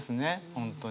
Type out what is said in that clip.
本当に。